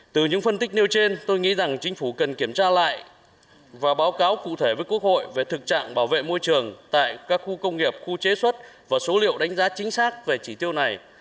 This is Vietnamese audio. từ những phân tích nêu trên tôi nghĩ rằng chính phủ cần kiểm tra lại và báo cáo cụ thể với quốc hội về thực trạng bảo vệ môi trường tại các khu công nghiệp khu chế xuất và số liệu đánh giá chính xác về chỉ tiêu này